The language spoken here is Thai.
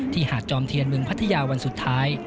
หาดจอมเทียนเมืองพัทยาวันสุดท้าย